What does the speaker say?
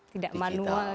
tidak manual gitu